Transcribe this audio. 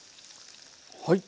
はい。